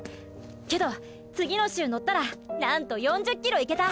けど次の週のったら何と４０ｋｍいけた。